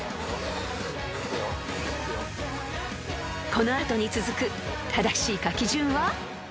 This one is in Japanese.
［この後に続く正しい書き順は？］